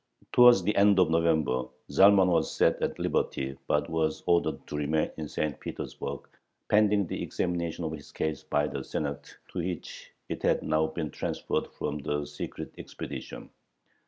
Towards the end of November Zalman was set at liberty, but was ordered to remain in St. Petersburg pending the examination of his case by the Senate, to which it had now been transferred from the Secret Expedition.